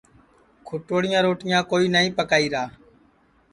کُھٹوڑیاں روٹیاں کوئی نائی پکائیرا